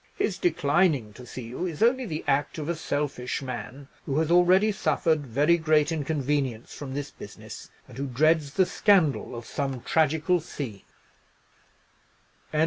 His declining to see you is only the act of a selfish man, who has already suffered very great inconvenience from this business, and who dreads the scandal of some tragical scene."